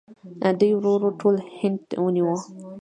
دوی ورو ورو ټول هند ونیو.